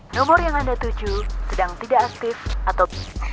nomor yang anda tuju sedang tidak aktif atau bisa